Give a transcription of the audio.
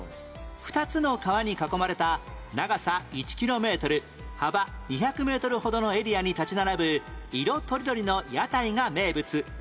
２つの川に囲まれた長さ１キロメートル幅２００メートルほどのエリアに立ち並ぶ色とりどりの屋台が名物